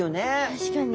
確かに。